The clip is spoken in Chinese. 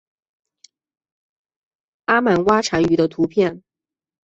阿曼蛙蟾鱼的图片